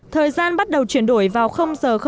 thời gian bắt đầu chuyển đổi vào h ph